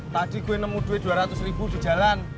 tadi gue nemu duit dua ratus ribu di jalan